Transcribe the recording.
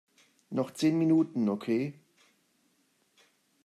Noch zehn Minuten, okay?